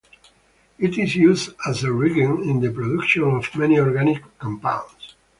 It is used as a reagent in the production of many organic compounds.